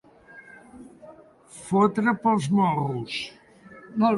Fotre pels morros.